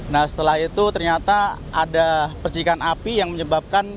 nah setelah itu ternyata ada percikan api yang menyebabkan